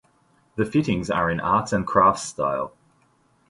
The fittings are in Arts and Crafts style.